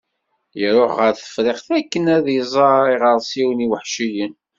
Iruḥ ɣer Tefriqt akken ad d-iẓer iɣersiwen iweḥciyen.